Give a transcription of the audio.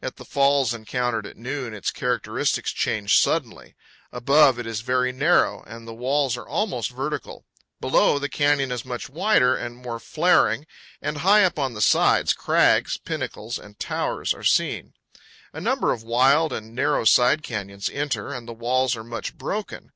At the falls encountered at noon its characteristics change suddenly. Above, it is very narrow, and the walls are almost vertical; below, the canyon is much wider 176 6 CANYONS OF THE COLORADO. and more flaring, and high up on the sides crags, pinnacles, and towers are seen. A number of wild and narrow side canyons enter, and the walls are much broken.